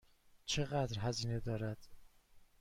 چقدر هزینه دارد؟